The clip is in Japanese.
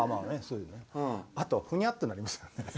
あとふにゃっとなりますよね。